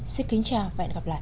xin kính chào và hẹn gặp lại